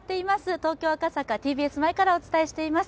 東京・赤坂ＴＢＳ前からお伝えしています。